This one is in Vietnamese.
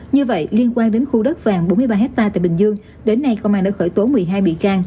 như vậy liên quan đến khu đất vàng bốn mươi ba hectare tại bình dương đến nay công an đã khởi tố một mươi hai bị can